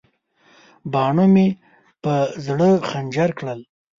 باڼو مې په زړه خنجر کړل.